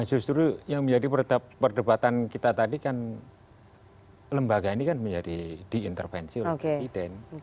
justru yang menjadi perdebatan kita tadi kan lembaga ini kan menjadi diintervensi oleh presiden